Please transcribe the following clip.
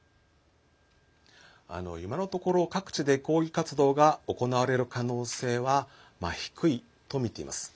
今のところ、各地で抗議活動が行われる可能性は低いとみています。